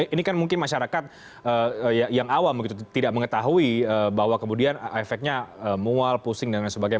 ini kan mungkin masyarakat yang awam begitu tidak mengetahui bahwa kemudian efeknya mual pusing dan lain sebagainya